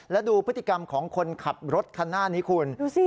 และดูพฤติกรรมของคนขับรถคันหน้านี้คุณดูสิ